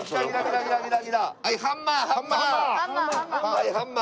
はいハンマー！